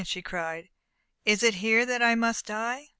she cried, "is it here that I must die?"